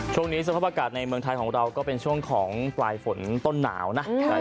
ช่วงนี้สภาพอากาศในเมืองไทยของเราก็เป็นช่วงของปลายฝนต้นหนาวนะ